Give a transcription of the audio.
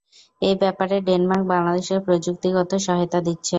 এই ব্যাপারে ডেনমার্ক বাংলাদেশকে প্রযুক্তিগত সহায়তা দিচ্ছে।